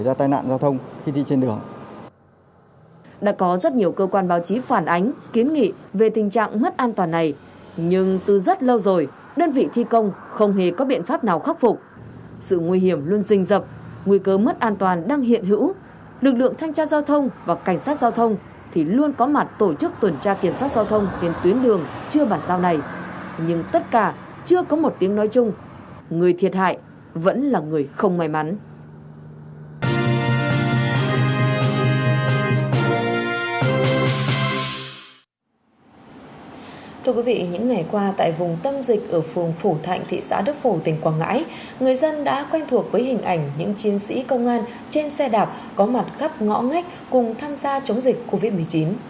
vì những ngày qua tại vùng tâm dịch ở phường phổ thạnh thị xã đức phổ tỉnh quảng ngãi người dân đã quen thuộc với hình ảnh những chiến sĩ công an trên xe đạp có mặt khắp ngõ ngách cùng tham gia chống dịch covid một mươi chín